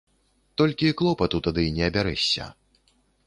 Толькі клопату тады не абярэшся.